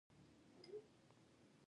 د مرخیړیو کښت هم رواج شوی.